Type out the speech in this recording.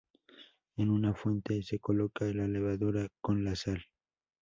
En una fuente se coloca la levadura con la sal.